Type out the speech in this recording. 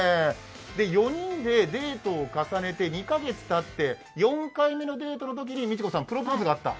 ４人でデートを重ねて２か月たって、４回目のデートのときにプロポーズがあった？